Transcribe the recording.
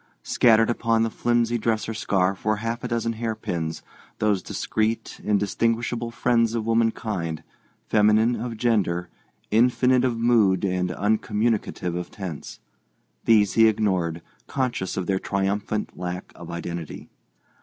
Scattered upon the flimsy dresser scarf were half a dozen hairpins—those discreet, indistinguishable friends of womankind, feminine of gender, infinite of mood and uncommunicative of tense. These he ignored, conscious of their triumphant lack of identity.